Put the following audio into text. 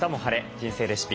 人生レシピ」。